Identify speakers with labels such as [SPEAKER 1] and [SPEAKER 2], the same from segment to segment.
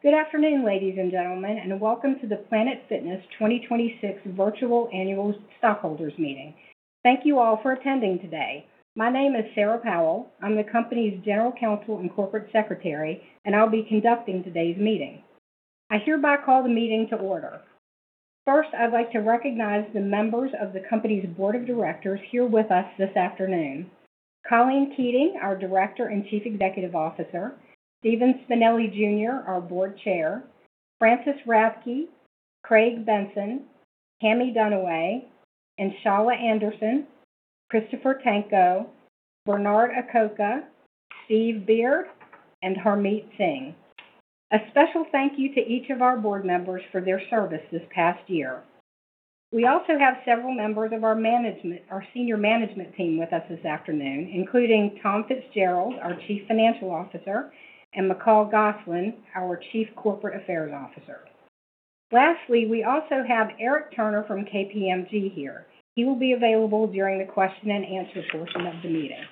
[SPEAKER 1] Good afternoon, ladies and gentlemen, and welcome to the Planet Fitness 2026 virtual annual stockholders meeting. Thank you all for attending today. My name is Sarah Powell. I'm the company's General Counsel and Corporate Secretary, and I'll be conducting today's meeting. I hereby call the meeting to order. First, I'd like to recognize the members of the company's board of directors here with us this afternoon. Colleen Keating, our Director and Chief Executive Officer, Stephen Spinelli Jr., our Board Chair, Frances Rathke, Craig Benson, Cammie Dunaway, Enshalla Anderson, Christopher Tanco, Bernard Acoca, Steve Beard, and Harmit Singh. A special thank you to each of our board members for their service this past year. We also have several members of our senior management team with us this afternoon, including Tom Fitzgerald, our Chief Financial Officer, and McCall Gosselin, our Chief Corporate Affairs Officer. Lastly, we also have Eric Turner from KPMG here. He will be available during the question-and-answer portion of the meeting.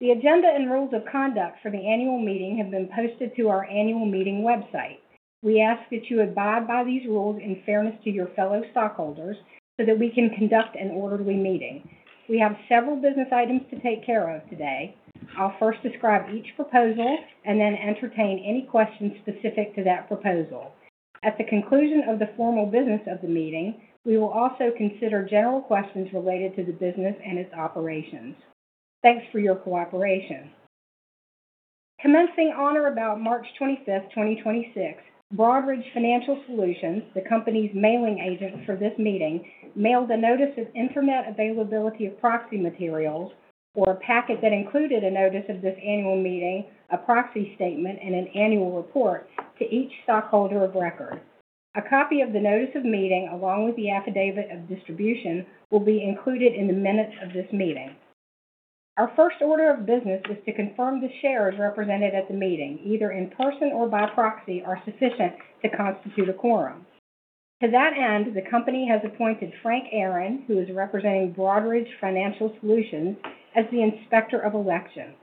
[SPEAKER 1] The agenda and rules of conduct for the annual meeting have been posted to our annual meeting website. We ask that you abide by these rules in fairness to your fellow stockholders so that we can conduct an orderly meeting. We have several business items to take care of today. I'll first describe each proposal and then entertain any questions specific to that proposal. At the conclusion of the formal business of the meeting, we will also consider general questions related to the business and its operations. Thanks for your cooperation. Commencing on or about March 25, 2026, Broadridge Financial Solutions, the company's mailing agent for this meeting, mailed a notice of Internet availability of proxy materials or a packet that included a notice of this annual meeting, a proxy statement, and an annual report to each stockholder of record. A copy of the notice of meeting, along with the affidavit of distribution, will be included in the minutes of this meeting. Our first order of business is to confirm the shares represented at the meeting, either in person or by proxy, are sufficient to constitute a quorum. To that end, the company has appointed Frank Aaron, who is representing Broadridge Financial Solutions, as the inspector of election.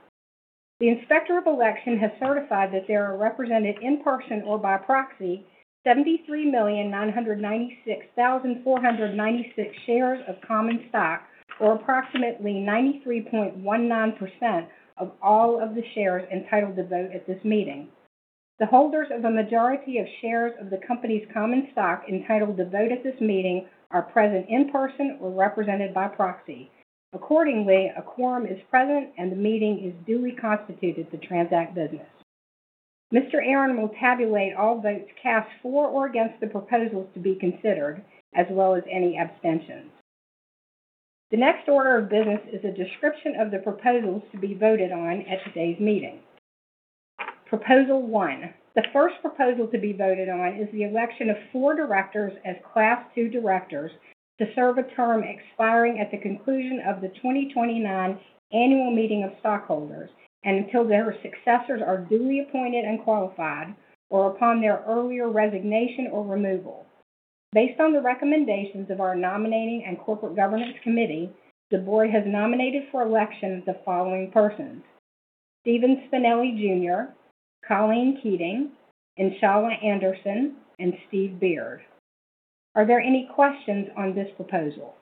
[SPEAKER 1] The inspector of election has certified that there are represented in person or by proxy 73,996,496 shares of common stock or approximately 93.19% of all of the shares entitled to vote at this meeting. The holders of a majority of shares of the company's common stock entitled to vote at this meeting are present in person or represented by proxy. Accordingly, a quorum is present, and the meeting is duly constituted to transact business. Mr. Aaron will tabulate all votes cast for or against the proposals to be considered, as well as any abstentions. The next order of business is a description of the proposals to be voted on at today's meeting. Proposal 1. The first proposal to be voted on is the election of four directors as Class 2 directors to serve a term expiring at the conclusion of the 2029 annual meeting of stockholders and until their successors are duly appointed and qualified or upon their earlier resignation or removal. Based on the recommendations of our nominating and corporate governance committee, the board has nominated for election the following persons: Stephen Spinelli Jr., Colleen Keating, Enshalla Anderson, and Steve Beard. Are there any questions on this proposal?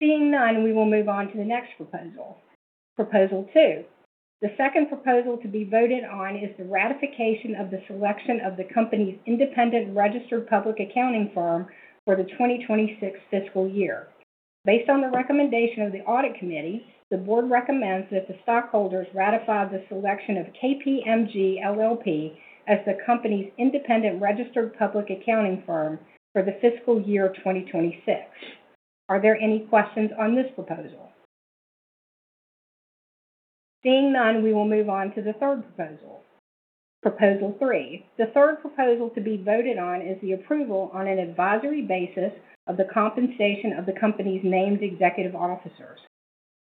[SPEAKER 1] Seeing none, we will move on to the next proposal. Proposal 2. The second proposal to be voted on is the ratification of the selection of the company's independent registered public accounting firm for the 2026 fiscal year. Based on the recommendation of the audit committee, the board recommends that the stockholders ratify the selection of KPMG LLP as the company's independent registered public accounting firm for the fiscal year 2026. Are there any questions on this proposal? Seeing none, we will move on to the third proposal. Proposal 3. The third proposal to be voted on is the approval on an advisory basis of the compensation of the company's named executive officers.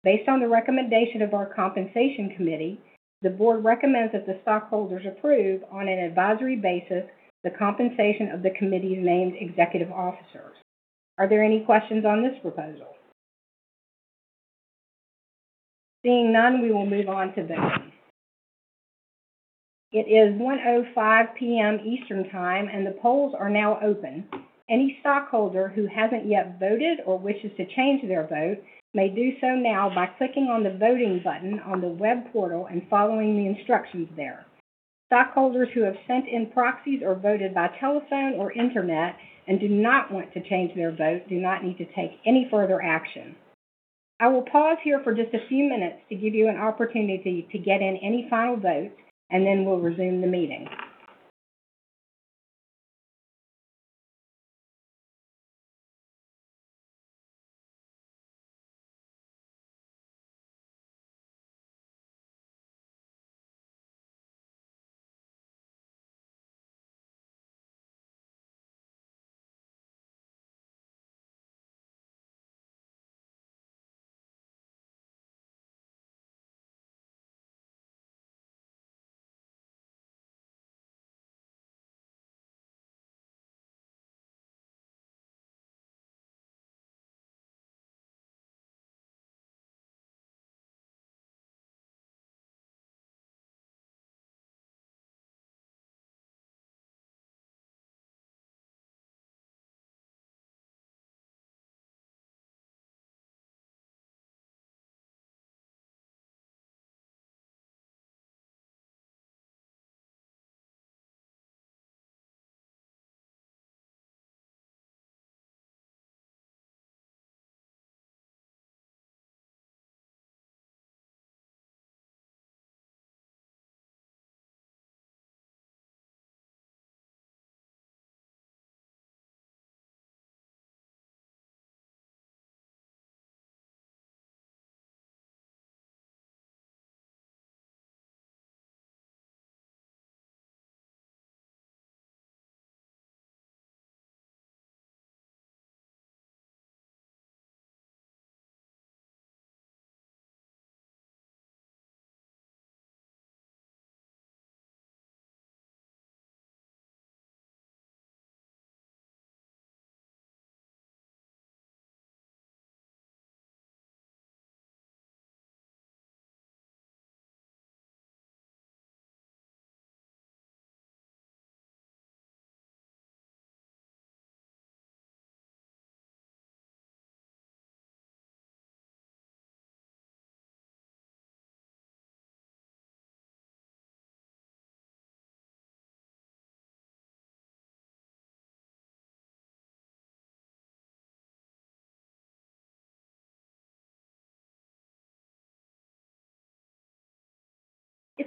[SPEAKER 1] Based on the recommendation of our compensation committee, the board recommends that the stockholders approve on an advisory basis the compensation of the committee's named executive officers. Are there any questions on this proposal? Seeing none, we will move on to voting. It is 1:05 P.M. Eastern Time, and the polls are now open. Any stockholder who hasn't yet voted or wishes to change their vote may do so now by clicking on the voting button on the web portal and following the instructions there. Stockholders who have sent in proxies or voted by telephone or Internet and do not want to change their vote do not need to take any further action. I will pause here for just a few minutes to give you an opportunity to get in any final votes, and then we'll resume the meeting.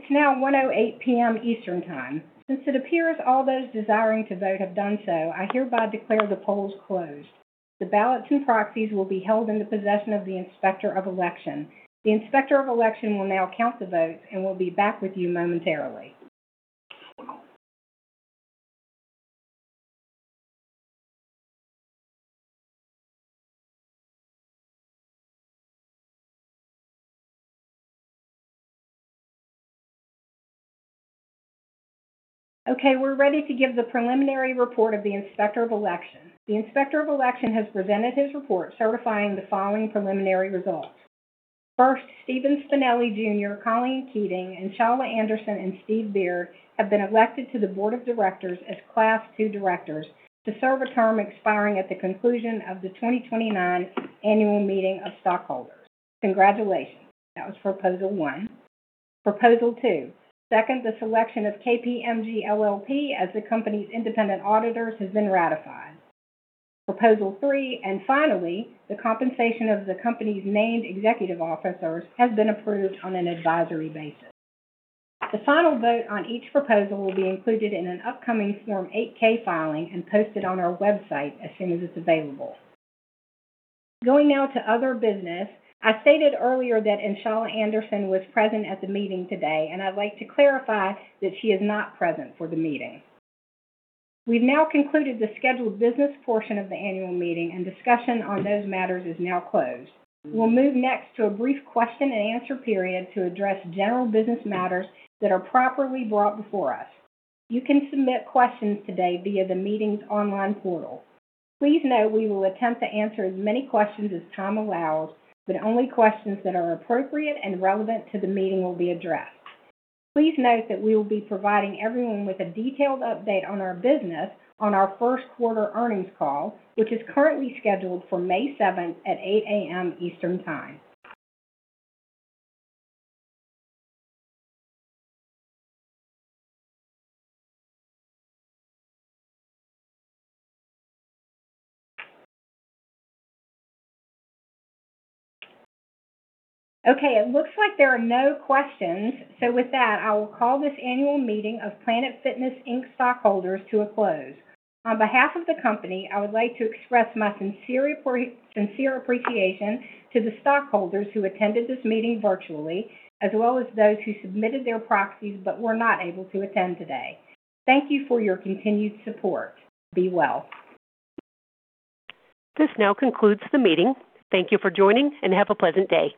[SPEAKER 1] It's now 1:08 P.M. Eastern time. Since it appears all those desiring to vote have done so, I hereby declare the polls closed. The ballot two proxies will be held in the possession of the Inspector of Election. The Inspector of Election will now count the votes and we'll be back with you momentarily. Okay, we're ready to give the preliminary report of the Inspector of Election. The Inspector of Election has presented his report certifying the following preliminary results. Stephen Spinelli Jr., Colleen Keating, Enshalla Anderson, and Steve Beard have been elected to the board of directors as Class 2 directors to serve a term expiring at the conclusion of the 2029 annual meeting of stockholders. Congratulations. That was Proposal 1. Proposal 2. The selection of KPMG LLP as the company's independent auditors has been ratified. The compensation of the company's named executive officers has been approved on an advisory basis. The final vote on each proposal will be included in an upcoming Form 8-K filing and posted on our website as soon as it's available. Going now to other business. I stated earlier that Enshalla Anderson was present at the meeting today, and I'd like to clarify that she is not present for the meeting. We've now concluded the scheduled business portion of the annual meeting, and discussion on those matters is now closed. We'll move next to a brief question-and-answer period to address general business matters that are properly brought before us. You can submit questions today via the meeting's online portal. Please note we will attempt to answer as many questions as time allows, but only questions that are appropriate and relevant to the meeting will be addressed. Please note that we will be providing everyone with a detailed update on our business on our first quarter earnings call, which is currently scheduled for May seventh at 8:00 A.M. Eastern Time. Okay, it looks like there are no questions. With that, I will call this annual meeting of Planet Fitness, Inc. stockholders to a close. On behalf of the company, I would like to express my sincere appreciation to the stockholders who attended this meeting virtually, as well as those who submitted their proxies but were not able to attend today. Thank you for your continued support. Be well. This now concludes the meeting. Thank you for joining, and have a pleasant day.